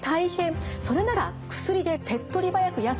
それなら薬で手っとり早くやせたい。